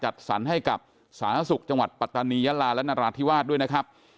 จัดสรรให้กับสาธารณสุขจังหวัดปัตตานียาลาและนราธิวาสด้วยนะครับ